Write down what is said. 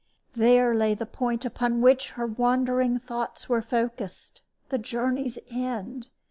There lay the point upon which her wandering thoughts were focused the journey's end!